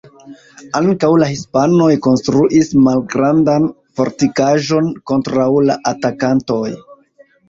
Ankaŭ la hispanoj konstruis malgrandan fortikaĵon kontraŭ la atakantoj.